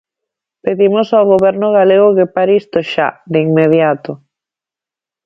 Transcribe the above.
Pedimos ao Goberno galego que pare isto xa, de inmediato.